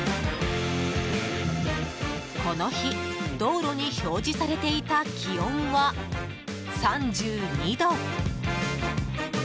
この日、道路に表示されていた気温は３２度。